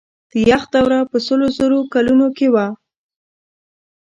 د یخ دوره په سلو زرو کلونو کې وه.